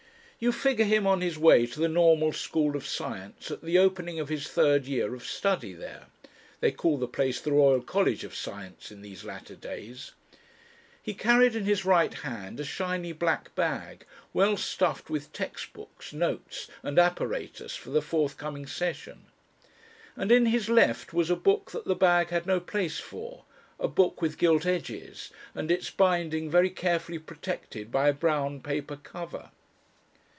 You figure him on his way to the Normal School of Science at the opening of his third year of study there. (They call the place the Royal College of Science in these latter days.) He carried in his right hand a shiny black bag, well stuffed with text books, notes, and apparatus for the forthcoming session; and in his left was a book that the bag had no place for, a book with gilt edges, and its binding very carefully protected by a brown paper cover.